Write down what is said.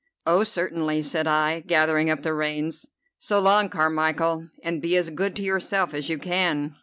"Oh, certainly," said I, gathering up the reins. "So long, Carmichel, and be as good to yourself as you can."